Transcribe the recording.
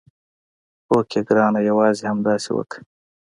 هوکې ګرانه یوازې همداسې وکړه.